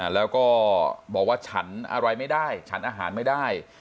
แล้วก็บอกว่าฉันอะไรไม่ได้ฉันอาหารไม่ได้